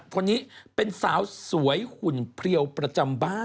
คนนี้เป็นสาวสวยหุ่นเพลียวประจำบ้าน